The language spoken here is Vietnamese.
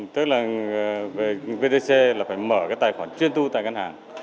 tức là về vtc là phải mở cái tài khoản chuyên thu tại ngân hàng